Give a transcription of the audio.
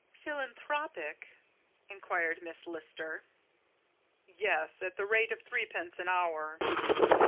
"Philanthropic?" inquired Miss Lister. "Yes, at the rate of threepence an hour."